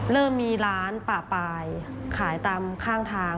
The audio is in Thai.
เริ่มมีร้านป่าปลายขายตามข้างทาง